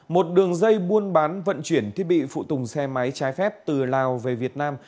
một đường dây buôn bán vận chuyển thiết bị phụ tùng xe máy trái phép từ lào về việt nam